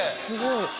すごい！